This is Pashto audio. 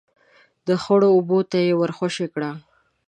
، خړو اوبو ته يې ور خوشی کړه.